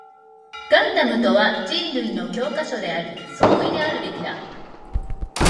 ガンダムとは人類の教科書であり、総意であるべきだ